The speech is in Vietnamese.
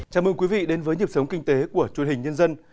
chào mừng quý vị đến với nhịp sống kinh tế của truyền hình nhân dân